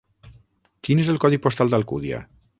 Quin és el codi postal d'Alcúdia?